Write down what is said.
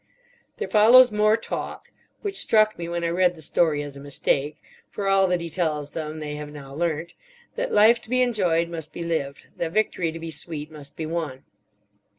There follows more talk; which struck me, when I read the story, as a mistake; for all that he tells them they have now learnt: that life to be enjoyed must be lived; that victory to be sweet must be won.